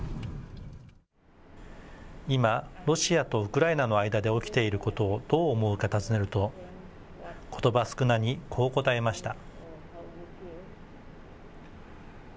今、ロシアとウクライナの間で起きていることをどう思うか尋ねると、ことば少なに、こう答えました。